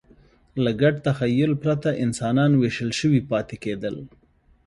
له ګډ تخیل پرته انسانان وېشل شوي پاتې کېدل.